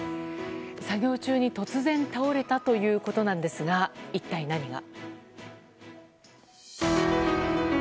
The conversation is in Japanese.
作業中に突然倒れたということですが一体、何が。